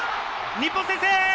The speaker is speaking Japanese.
日本先制。